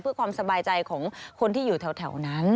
เพื่อความสบายใจของคนที่อยู่แถวนั้น